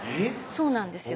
そうなんですよ